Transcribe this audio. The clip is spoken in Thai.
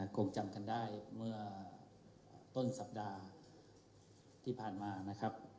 คงจำกันได้เมื่อต้นสัปดาห์ที่ผ่านมานะครับ